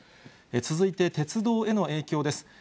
続いて、鉄道への影響です。